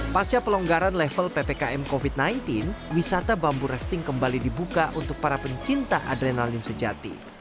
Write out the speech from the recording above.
pasca pelonggaran level ppkm covid sembilan belas wisata bambu rafting kembali dibuka untuk para pencinta adrenalin sejati